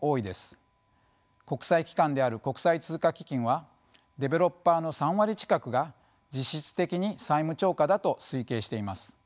国際機関である国際通貨基金はデベロッパーの３割近くが実質的に債務超過だと推計しています。